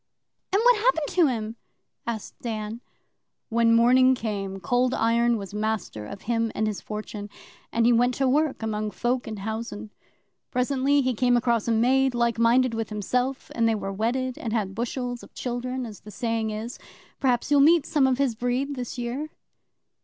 'And what happened to him?' asked Dan. 'When morning came, Cold Iron was master of him and his fortune, and he went to work among folk in housen. Presently he came across a maid like minded with himself, and they were wedded, and had bushels of children, as the saying is. Perhaps you'll meet some of his breed, this year.